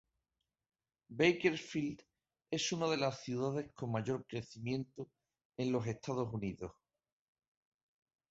Bakersfield es una de las ciudades con mayor crecimiento en los Estados Unidos.